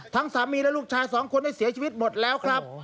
สามีและลูกชายสองคนได้เสียชีวิตหมดแล้วครับ